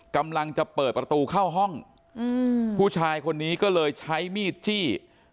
กำลังจะเปิดประตูเข้าห้องผู้ชายคนนี้ก็เลยใช้มีดจี้